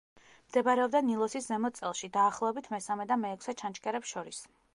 მდებარეობდა ნილოსის ზემო წელში, დაახლოებით მესამე და მეექვსე ჩანჩქერებს შორის.